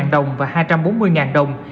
một trăm hai mươi đồng và hai trăm bốn mươi đồng